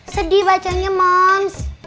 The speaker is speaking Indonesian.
sedih bacanya mams